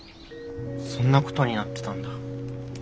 そんなことになってたんだ。